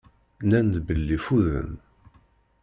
Nnan-d belli ffuden.